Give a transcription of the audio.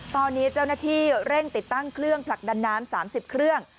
ตอนนี้เจ้าหน้าที่เร่งติดตั้งเครื่องผลักดันน้ำ๓๐เครื่อง